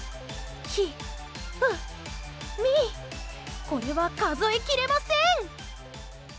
ひ、ふ、みこれは数えきれません！